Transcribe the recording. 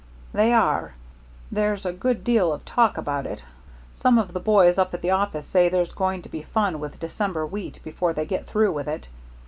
"They are. There's a good deal of talk about it. Some of the boys up at the office say there's going to be fun with December wheat before they get through with it.